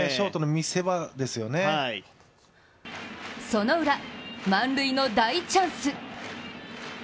そのウラ、満塁の大チャンス。